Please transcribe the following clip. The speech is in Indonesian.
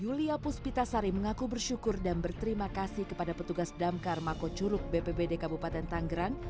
yulia puspita sari mengaku bersyukur dan berterima kasih kepada petugas damkar mako curug bpbd kabupaten tanggerang